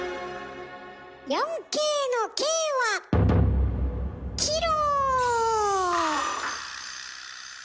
４Ｋの「Ｋ」はキロ！